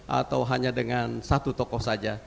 atau hanya dengan satu tokoh saja